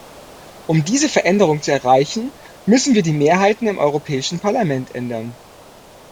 Um diese Veränderung zu erreichen, müssen wir die Mehrheiten im Europäischen Parlament ändern.